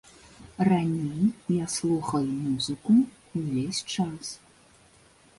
Раней я слухай музыку ўвесь час.